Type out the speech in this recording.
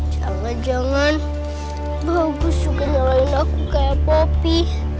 jangan jangan bagus juga nyalain aku kayak popi